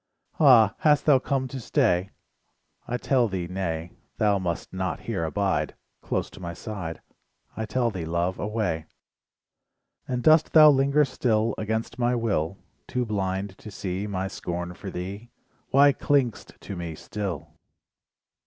Ah, hast thou come to stay? I tell thee nay, Thou must not here abide, Close to my side, I tell thee Love, away. And dost thou linger still Against my will? Too blind to see My scorn for thee, Why cling'st to me still?